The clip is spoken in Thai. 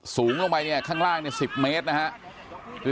สูงลงไปข้างล่าง๑๐เมตรนะฮะ